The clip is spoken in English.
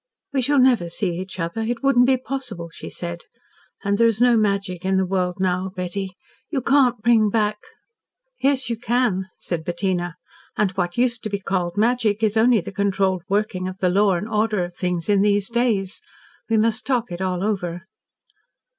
"We shall never see each other. It wouldn't be possible," she said. "And there is no magic in the world now, Betty. You can't bring back " "Yes, you can," said Bettina. "And what used to be called magic is only the controlled working of the law and order of things in these days. We must talk it all over."